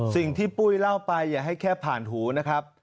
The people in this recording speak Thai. ปุ้ยเล่าไปอย่าให้แค่ผ่านหูนะครับ